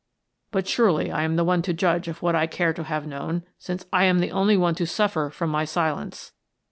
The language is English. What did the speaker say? " But surely I am the one to judge of what I care to have known, since I am the only one to suffer from my silence."